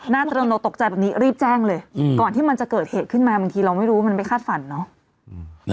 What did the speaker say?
น่าจะเริ่มโดนตกใจแบบนี้รีบแจ้งเลยอืมก่อนที่มันจะเกิดเหตุขึ้นมาบางทีเราไม่รู้ว่ามันเป็นคาดฝันเนาะ